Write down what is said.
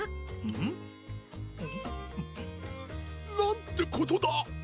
ん？なんてことだ。